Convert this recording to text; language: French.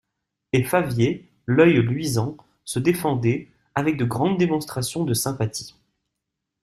Et Favier, l'oeil luisant, se défendait, avec de grandes démonstrations de sympathie.